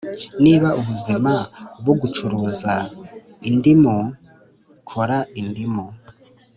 niba ubuzima bugucuruza indimu kora indimu